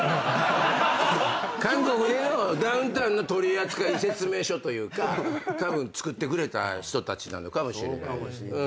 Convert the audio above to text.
韓国でのダウンタウンの取扱説明書というかたぶん作ってくれた人たちなのかもしれない。